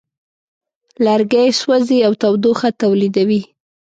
لرګی سوځي او تودوخه تولیدوي.